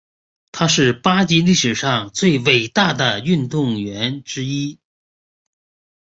他是巴西历史上最伟大游泳运动员之一。